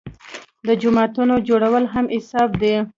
د جوماتونو جوړول هم حساب دي.